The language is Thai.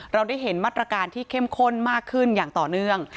เราได้เห็นมาตรการที่เข้มข้นมากขึ้นอย่างต่อเนื่อง